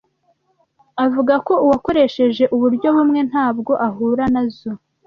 avuga ko uwakoresheje uburyo bumwe ntabwo ahura nazo